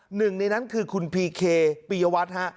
หนึ่งในนั้นคือคุณพีเคปียวัตรฮะ